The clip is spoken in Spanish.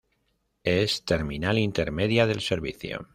Es terminal intermedia del servicio.